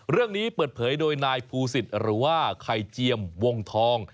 เรื่องนี้เปิดเผยโดยนายภูศิษฐ์หรือว่าไข่เจียมวงทอง